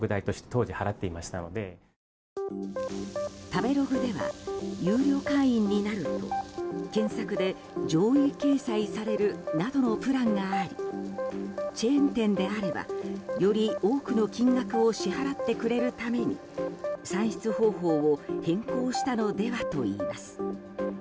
食べログでは有料会員になると検索で上位掲載されるなどのプランがありチェーン店であればより多くの金額を支払ってくれるために算出方法を変更したのではといいます。